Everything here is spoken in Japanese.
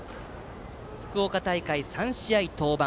福岡大会、３試合登板。